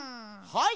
はい！